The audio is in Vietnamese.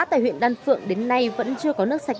tại huyện đan phượng đến nay vẫn chưa có nước sạch